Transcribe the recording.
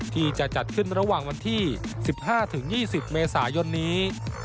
ที่จะจัดขึ้นระหว่างวันที่๑๕๒๐เมษายนนี้